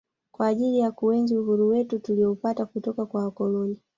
kwa ajili ya kuenzi uhuru wetu tulioupata kutoka kwa wakoloni